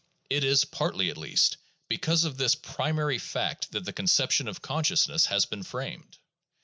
It is, partly at least, because of this primary fact that the conception of consciousness has been framed.